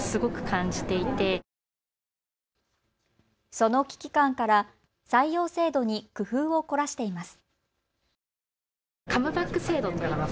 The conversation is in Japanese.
その危機感から採用制度に工夫を凝らしています。